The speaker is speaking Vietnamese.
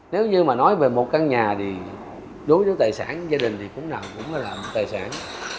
nếu như mà nói về một căn nhà thì đối với tài sản gia đình thì cũng là tài sản